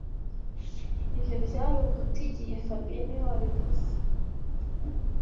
Ibyo byari uguta igihe fabien niwe wabivuze